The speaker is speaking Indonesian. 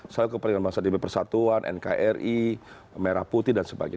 selalu kepentingan masyarakat di bersatuan nkri merah putih dan sebagainya